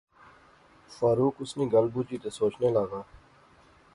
فاروق ان نی گل بجی تے سوچنے لاغا